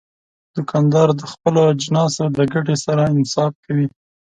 دوکاندار د خپلو اجناسو د ګټې سره انصاف کوي.